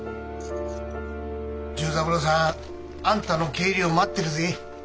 重三郎さんあんたの帰りを待ってるぜ。